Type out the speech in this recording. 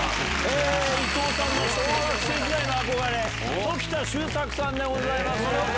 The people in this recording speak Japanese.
伊藤さんの小学生時代の憧れ鴇田周作さんでございます。